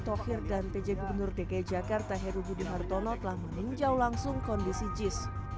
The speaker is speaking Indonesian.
thohir dan pj gubernur dki jakarta heru budi hartono telah meninjau langsung kondisi jis